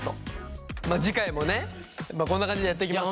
次回もねこんな感じでやってきます。